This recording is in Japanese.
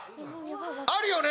あるよね？